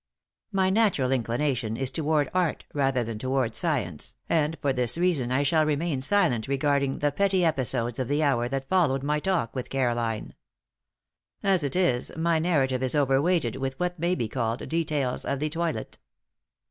My natural inclination is toward Art rather than toward Science, and for this reason I shall remain silent regarding the petty episodes of the hour that followed my talk with Caroline. As it is, my narrative is overweighted with what may be called details of the toilet.